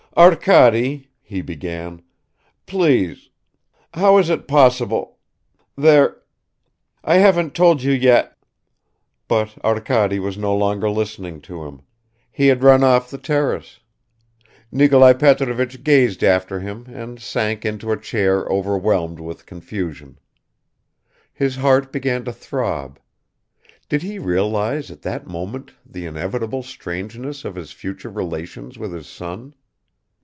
"Arkady," he began, "please ... how is it possible ... there ... I haven't told you yet ..." But Arkady was no longer listening to him; he had run off the terrace. Nikolai Petrovich gazed after him and sank into a chair overwhelmed with confusion. His heart began to throb ... Did he realize at that moment the inevitable strangeness of his future relations with his son?